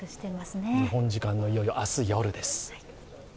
日本時間のいよいよ明日夜です。